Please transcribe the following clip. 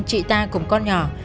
chị ta cùng con nhỏ